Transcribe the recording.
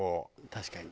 確かに。